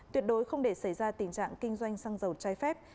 tuyệt đối không để xảy ra tình trạng kinh doanh xăng dầu trái phép